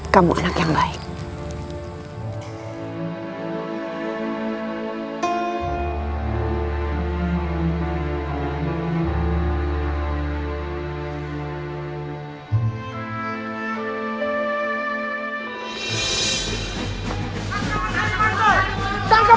kamu anak yang baik